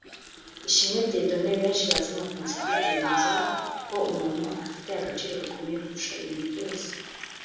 Ishimwe Dieudonne benshi bazi nka Prince Kid yemeza ko umuntu afite agaciro gakomeye kurusha ibintu byose